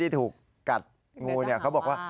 นี่ถือกัดงูเนี่ยเขาบอกว่า